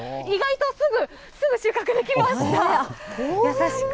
意外とすぐ、すぐ、収穫できました。